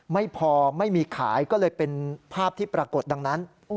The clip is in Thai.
ไม่พอไม่มีขายก็เลยเป็นภาพที่ปรากฏดังนั้น